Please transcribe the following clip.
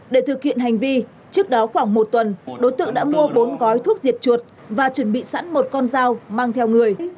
để thực hiện hành vi trước đó khoảng một tuần đối tượng đã mua bốn gói thuốc diệt chuột và chuẩn bị sẵn một con dao mang theo người